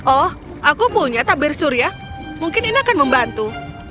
oh aku punya tabir surya mungkin ini akan membantu